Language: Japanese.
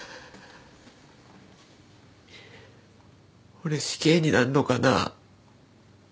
俺死刑になんのかな？